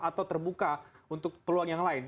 atau terbuka untuk peluang yang lain